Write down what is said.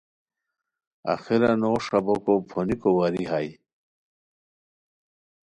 آخرا نوغ ݰابوکو پھونیکو واری ہائے